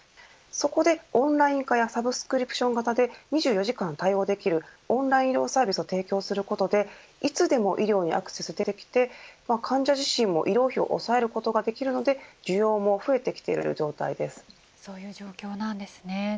そこでオンライン化やサブスクリプション型で２４時間対応できるオンライン医療サービスを提供することでいつでも医療にアクセスできて患者自身も医療費を抑えることができるのでそういう状況なんですね。